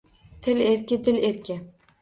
Til erki - dil erki